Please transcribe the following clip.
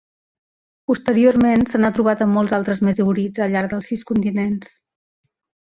Posteriorment se n'ha trobat en molts altres meteorits al llarg dels sis continents.